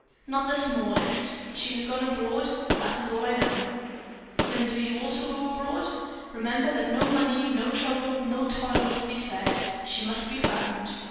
"Not the smallest; she has gone abroad that is all I know." "Then do you also go abroad. Remember that no money, no trouble, no toil must be spared she must be found.